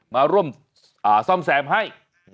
มาร่มทรวมแซมให้